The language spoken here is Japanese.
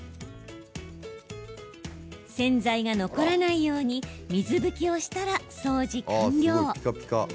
洗剤が残らないように水拭きをしたら掃除完了。